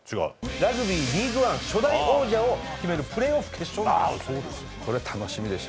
ラグビーリーグワン初代王者を決めるプレーオフ・決勝なんです。